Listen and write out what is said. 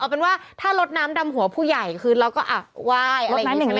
เอาเป็นว่าถ้าลดน้ำดำหัวผู้ใหญ่คือเราก็ไหว้อะไรอย่างนี้